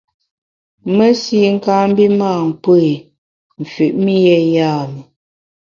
Mesi kâ mbi mâ nkpù i, mfüt mi yé yam’i.